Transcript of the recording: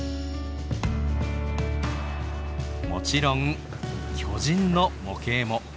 もちろん巨人の模型も！